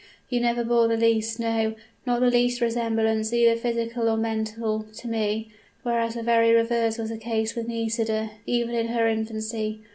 You never bore the least no, not the least resemblance, either physical or mental, to me; whereas the very reverse was the case with Nisida, even in her infancy.